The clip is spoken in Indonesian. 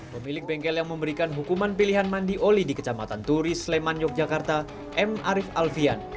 pemilik bengkel yang memberikan hukuman pilihan mandi oli di kecamatan turi sleman yogyakarta m arief alfian